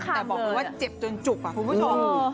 แต่บอกว่าเจ็บจนจุกอะถูกมันคุณผู้ชม